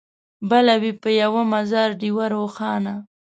بله وي په یوه مزار ډېوه روښانه